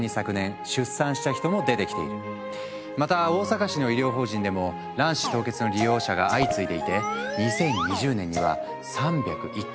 また大阪市の医療法人でも卵子凍結の利用者が相次いでいて２０２０年には３０１件。